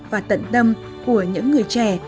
và tận tâm của những người trẻ